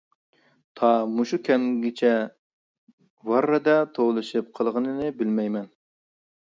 تا مۇشۇ كەمگىچە ۋاررىدە توۋلىشىپ قالغىنى بىلەيمەن.